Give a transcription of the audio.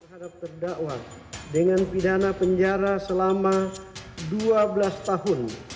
terhadap terdakwa dengan pidana penjara selama dua belas tahun